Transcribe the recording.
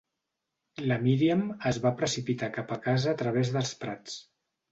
La Míriam es va precipitar cap a casa a través dels prats.